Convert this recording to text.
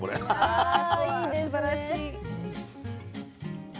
あいいですね。わすばらしい。